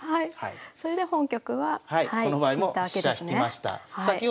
それで本局は引いたわけですね。